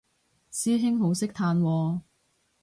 師兄好識嘆喎